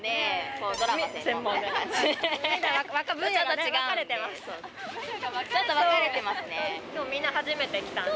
ちょっと分野が分かれてますね。